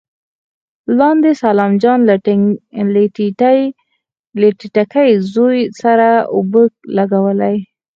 لاندې سلام جان له ټيټکي زوی سره اوبه لګولې.